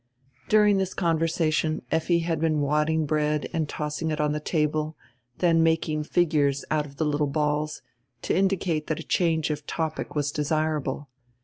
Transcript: During this conversation Effi had been wadding bread and tossing it on the table, then making figures out of the little balls, to indicate that a change of topic was desirable.